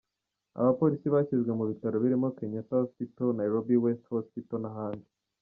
Aba bapolisi bashyizwe mu bitaro birimo Kenyatta Hospital , Nairobi West Hospital n’ahandi.